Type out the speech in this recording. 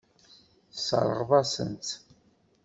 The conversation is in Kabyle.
Tesseṛɣeḍ-asen-tt.